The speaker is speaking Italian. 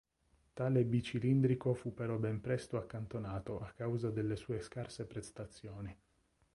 Tale bicilindrico fu però ben presto accantonato a causa delle sue scarse prestazioni.